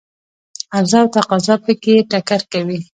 عرضه او تقاضا په کې ټکر کوي.